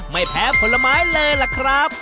ไม่แพ้ผลไม้เลยล่ะครับ